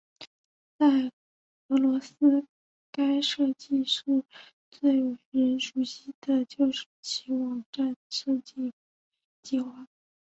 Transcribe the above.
在俄罗斯该设计室最为人熟悉就是其网站设计计划。